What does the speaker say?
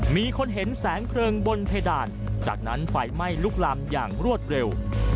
มีคนเห็นแสงเพลิงบนเพดานจากนั้นไฟไหม้ลุกลามอย่างรวดเร็ว